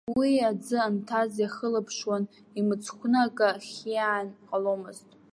Уа аӡы анҭаз иахылаԥшуан, имыцхәны акы ахиаан ҟаломызт.